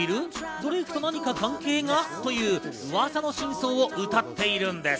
ドレイクと何か関係がという噂の真相を歌っているんです。